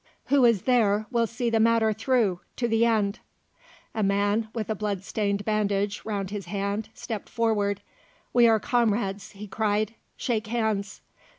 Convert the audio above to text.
Who is there will see the matter through, to the end?" A man, with a bloodstained bandage round his head, stepped forward. "We are comrades," he cried; "shake hands."